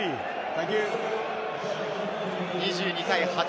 ２２対８。